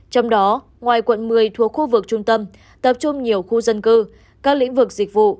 trong đó ngoài quận một mươi thuộc khu vực trung tâm tập trung nhiều khu dân cư các lĩnh vực dịch vụ